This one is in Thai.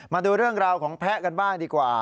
มาดูเรื่องราวของแพะกันบ้างดีกว่า